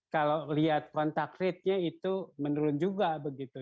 kalau lihat kontak ratenya itu menurun juga begitu